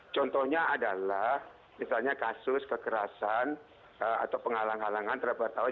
contohnya adalah misalnya kasus kekerasan atau penghalang halangan terhadap wartawan